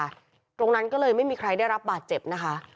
ตรงนั้นก็เลยไม่มีใครได้รับบาดเจ็บนะคะ